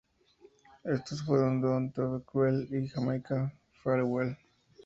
Estos fueron "Don't be cruel" y "Jamaica Farewell".